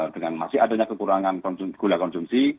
dengan masih adanya kekurangan gula konsumsi